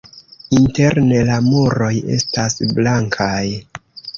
Interne la muroj estas blankaj.